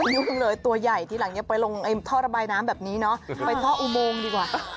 ยุ่งเลยตัวใหญ่ทีหลังยังไปลงท่อระบายน้ำแบบนี้เนาะไปท่ออุโมงดีกว่า